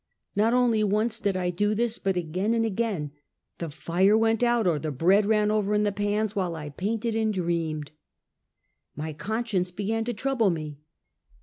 !Not only once did I do this, but again and again, the fire went out or the bread ran over in the pans, while I painted and dreamed. My conscience began to trouble me.